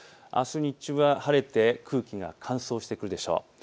あす日中は空気が乾燥してくるでしょう。